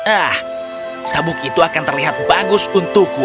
ah sabuk itu akan terlihat bagus untukmu